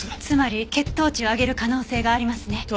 つまり血糖値を上げる可能性がありますね。